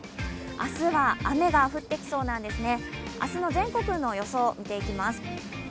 明日は雨が降ってきそうなんですね。